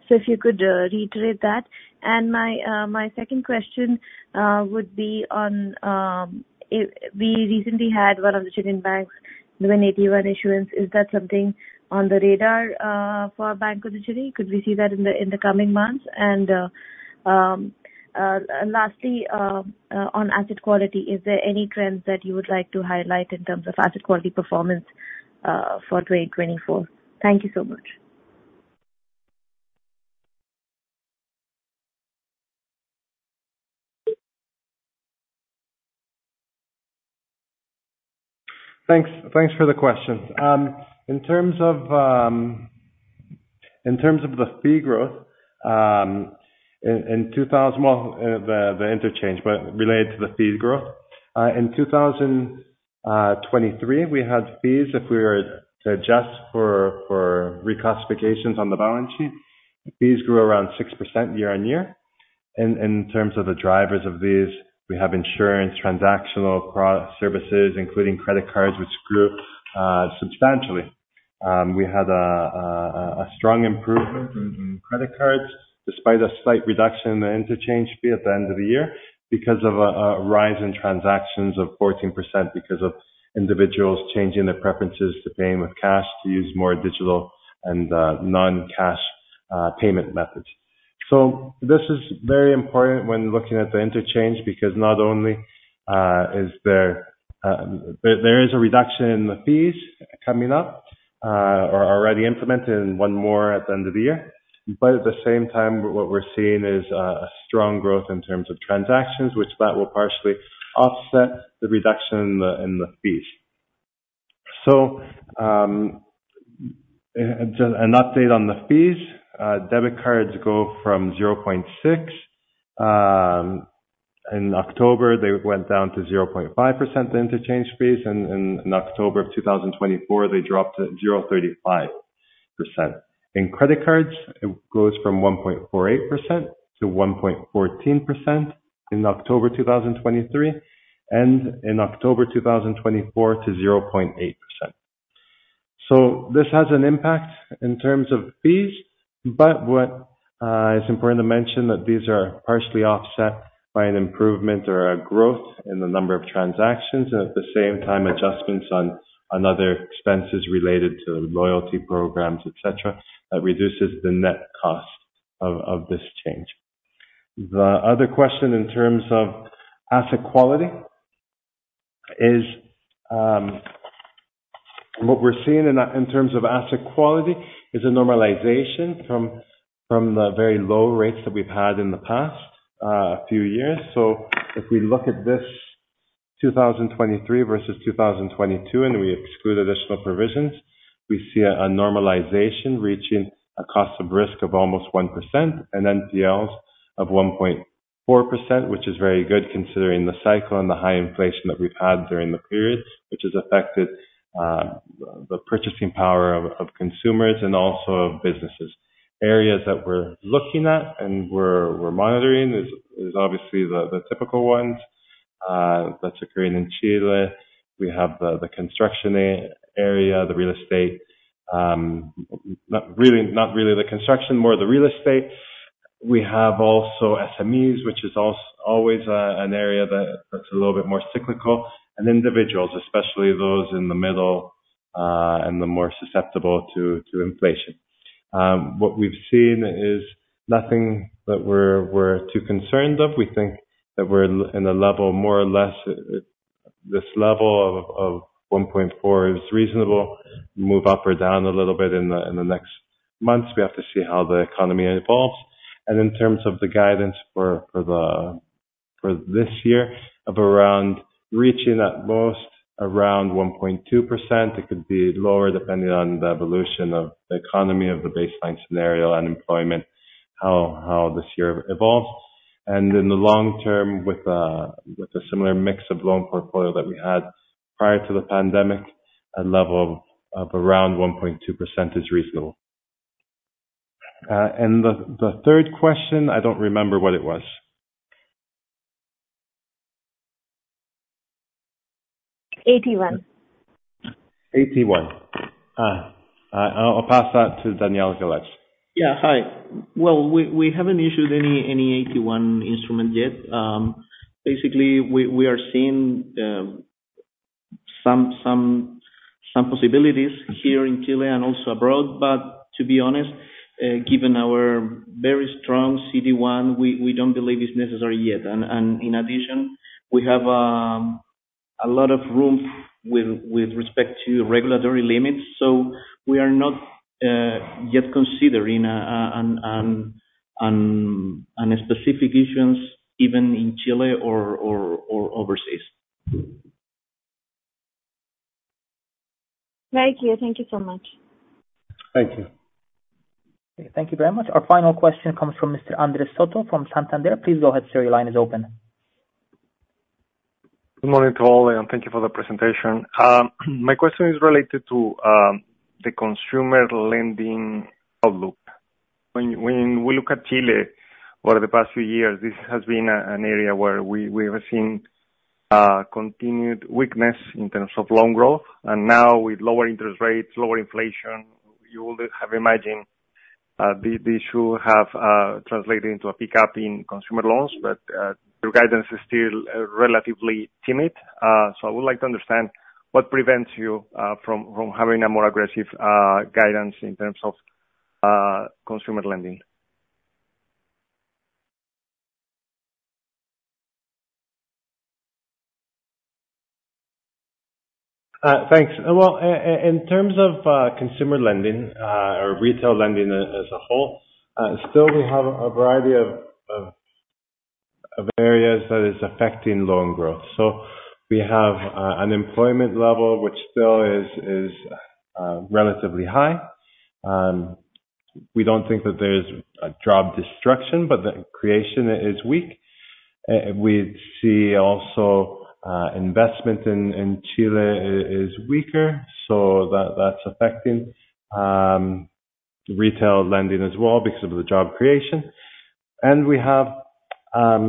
So if you could reiterate that. And my second question would be on if we recently had one of the Chilean banks, the AT1 issuance, is that something on the radar for Banco de Chile? Could we see that in the coming months? And lastly on asset quality, is there any trends that you would like to highlight in terms of asset quality performance for 2024? Thank you so much. ... Thanks, thanks for the questions. In terms of the fee growth, well, the interchange, but related to the fee growth, in 2023, we had fees, if we were to adjust for reclassifications on the balance sheet, fees grew around 6% year-on-year. And in terms of the drivers of these, we have insurance, transactional services, including credit cards, which grew substantially. We had a strong improvement in credit cards, despite a slight reduction in the interchange fee at the end of the year because of a rise in transactions of 14% because of individuals changing their preferences to paying with cash, to use more digital and non-cash payment methods. So this is very important when looking at the interchange, because not only is there a reduction in the fees coming up or already implemented, and one more at the end of the year. But at the same time, what we're seeing is a strong growth in terms of transactions, which will partially offset the reduction in the fees. So just an update on the fees, debit cards go from 0.6% in October, they went down to 0.5%, the interchange fees, and in October of 2024, they dropped to 0.35%. In credit cards, it goes from 1.48% to 1.14% in October 2023, and in October 2024 to 0.8%. So this has an impact in terms of fees, but what is important to mention, that these are partially offset by an improvement or a growth in the number of transactions, and at the same time, adjustments on other expenses related to loyalty programs, et cetera, that reduces the net cost of this change. The other question, in terms of asset quality, is what we're seeing in terms of asset quality is a normalization from the very low rates that we've had in the past few years. So if we look at this 2023 versus 2022, and we exclude additional provisions, we see a normalization reaching a cost of risk of almost 1%, and then NPLs of 1.4%, which is very good considering the cycle and the high inflation that we've had during the period, which has affected the purchasing power of consumers and also of businesses. Areas that we're looking at and we're monitoring is obviously the typical ones that's occurring in Chile. We have the construction area, the real estate, not really the construction, more the real estate. We have also SMEs, which is always an area that's a little bit more cyclical, and individuals, especially those in the middle and the more susceptible to inflation. What we've seen is nothing that we're too concerned of. We think that we're in a level, more or less, this level of 1.4% is reasonable, move up or down a little bit in the next months. We have to see how the economy evolves, and in terms of the guidance for this year of around reaching at most around 1.2%. It could be lower, depending on the evolution of the economy, of the baseline scenario, unemployment, how this year evolves. And in the long term, with a similar mix of loan portfolio that we had prior to the pandemic, a level of around 1.2% is reasonable. And the third question, I don't remember what it was. AT1. AT1. I'll pass that to Daniel Galarce. Yeah. Hi. Well, we haven't issued any AT1 instrument yet. Basically, we are seeing some possibilities here in Chile and also abroad, but to be honest, given our very strong CET1, we don't believe it's necessary yet. And in addition, we have a lot of room with respect to regulatory limits, so we are not yet considering any specific issues, even in Chile or overseas. Thank you. Thank you so much. Thank you. Thank you very much. Our final question comes from Mr. Andres Soto from Santander. Please go ahead, sir. Your line is open. Good morning to all, and thank you for the presentation. My question is related to the consumer lending outlook. When we look at Chile, over the past few years, this has been an area where we have seen continued weakness in terms of loan growth, and now with lower interest rates, lower inflation, you would have imagined this should have translated into a pickup in consumer loans, but your guidance is still relatively timid. So I would like to understand what prevents you from having a more aggressive guidance in terms of consumer lending? Thanks. Well, in terms of consumer lending or retail lending as a whole, still we have a variety of areas that is affecting loan growth. So we have unemployment level, which still is relatively high. We don't think that there's a job destruction, but the creation is weak. We see also investment in Chile is weaker, so that's affecting retail lending as well because of the job creation. And we have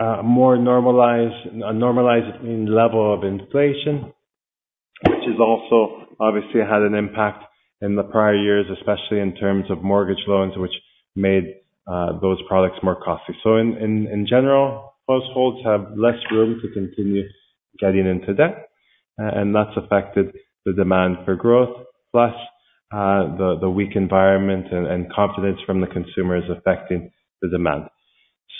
a more normalized level of inflation, which has also obviously had an impact in the prior years, especially in terms of mortgage loans, which made those products more costly. So in general, households have less room to continue getting into debt, and that's affected the demand for growth, plus, the weak environment and confidence from the consumer is affecting the demand.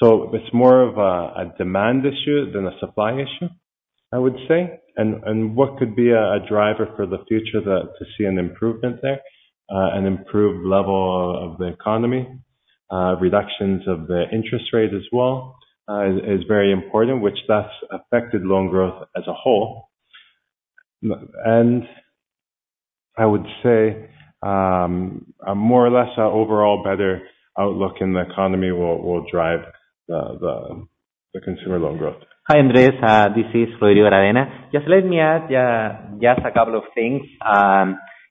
So it's more of a demand issue than a supply issue, I would say. And what could be a driver for the future that to see an improvement there, an improved level of the economy, reductions of the interest rate as well, is very important, which that's affected loan growth as a whole. And I would say, a more or less a overall better outlook in the economy will drive the consumer loan growth. Hi, Andres, this is Rodrigo Aravena. Just let me add, just a couple of things.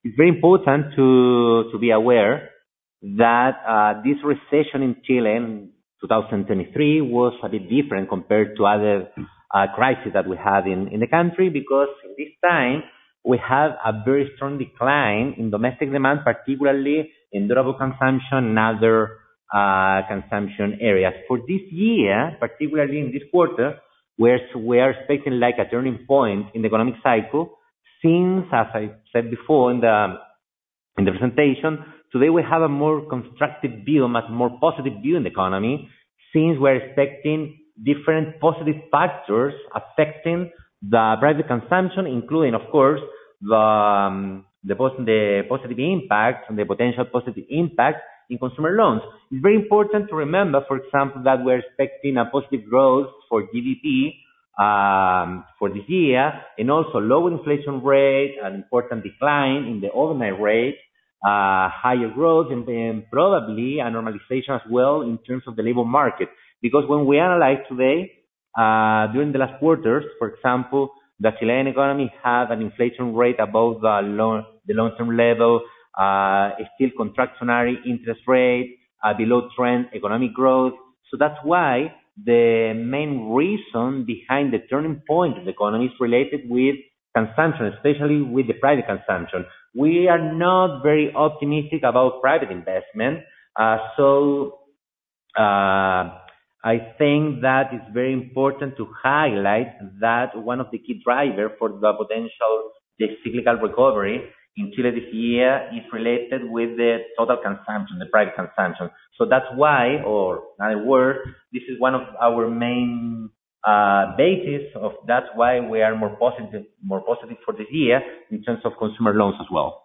It's very important to be aware that this recession in Chile in 2023 was a bit different compared to other crisis that we had in the country, because this time, we have a very strong decline in domestic demand, particularly in durable consumption and other consumption areas. For this year, particularly in this quarter, we are expecting like a turning point in the economic cycle. Since, as I said before in the presentation, today we have a more constructive view, a much more positive view in the economy, since we're expecting different positive factors affecting the private consumption, including, of course, the positive impact, and the potential positive impact in consumer loans. It's very important to remember, for example, that we're expecting a positive growth for GDP for this year, and also low inflation rate, an important decline in the overnight rate, higher growth, and then probably a normalization as well in terms of the labor market. Because when we analyze today, during the last quarters, for example, the Chilean economy have an inflation rate above the long-term level, a still contractionary interest rate, below trend economic growth. So that's why the main reason behind the turning point of the economy is related with consumption, especially with the private consumption. We are not very optimistic about private investment. So, I think that it's very important to highlight that one of the key drivers for the potential, the cyclical recovery in Chile this year, is related with the total consumption, the private consumption. So that's why, or in other words, this is one of our main basis of that's why we are more positive, more positive for this year in terms of consumer loans as well.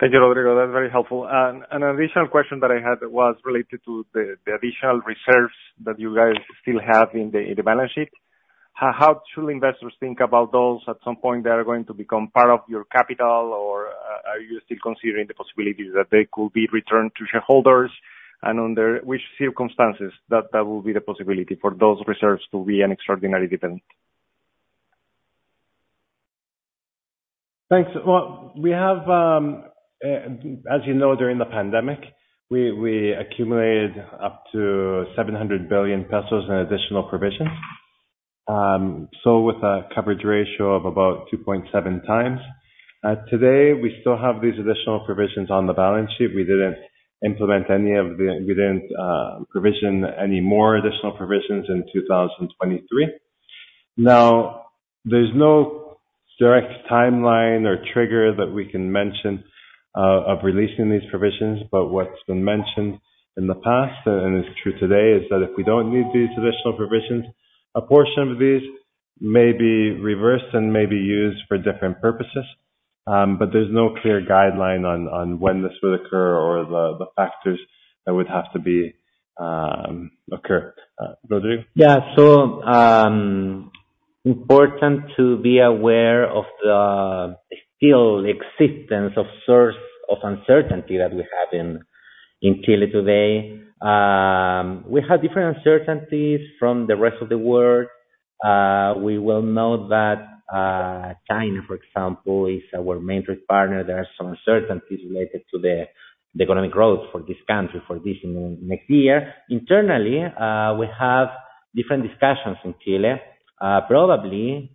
Thank you, Rodrigo. That's very helpful. And an additional question that I had was related to the additional reserves that you guys still have in the balance sheet. How should investors think about those? At some point, they are going to become part of your capital, or are you still considering the possibility that they could be returned to shareholders? And under which circumstances that will be the possibility for those reserves to be an extraordinary dividend? Thanks. Well, we have, as you know, during the pandemic, we accumulated up to 700 billion pesos in additional provisions. So with a coverage ratio of about 2.7 times. Today, we still have these additional provisions on the balance sheet. We didn't implement any of the. We didn't provision any more additional provisions in 2023. Now, there's no direct timeline or trigger that we can mention of releasing these provisions, but what's been mentioned in the past, and it's true today, is that if we don't need these additional provisions, a portion of these may be reversed and may be used for different purposes. But there's no clear guideline on when this would occur or the factors that would have to occur. Rodrigo? Yeah. So, important to be aware of the still existence of source of uncertainty that we have in Chile today. We have different uncertainties from the rest of the world. We well know that China, for example, is our main trade partner. There are some uncertainties related to the economic growth for this country, for this and next year. Internally, we have different discussions in Chile. Probably,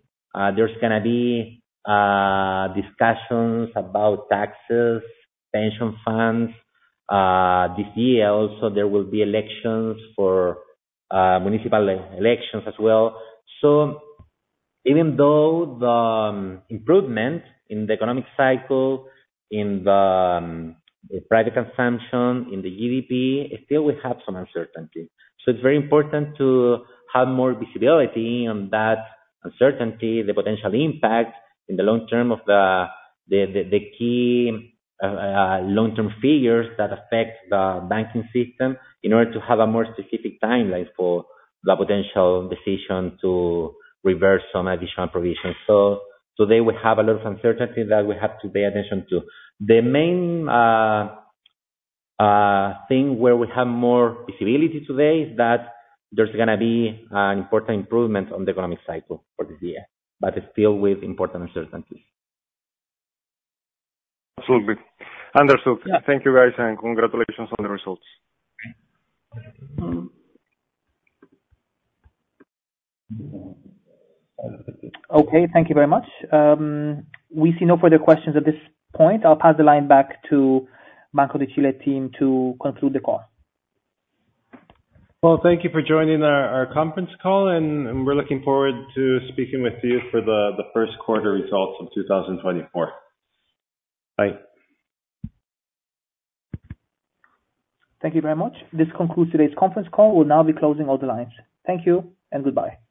there's gonna be discussions about taxes, pension funds, this year also, there will be elections for municipal elections as well. So even though the improvement in the economic cycle, in the private consumption, in the GDP, still we have some uncertainty. So it's very important to have more visibility on that uncertainty, the potential impact in the long term of the key long-term figures that affect the banking system, in order to have a more specific timeline for the potential decision to reverse some additional provisions. So they would have a lot of uncertainty that we have to pay attention to. The main thing where we have more visibility today is that there's gonna be an important improvement on the economic cycle for this year, but still with important uncertainties. Absolutely. Understood. eah. Thank you, guys, and congratulations on the results. Okay, thank you very much. We see no further questions at this point. I'll pass the line back to Banco de Chile team to conclude the call. Well, thank you for joining our conference call, and we're looking forward to speaking with you for the first quarter results of 2024. Bye. Thank you very much. This concludes today's conference call. We'll now be closing all the lines. Thank you and goodbye.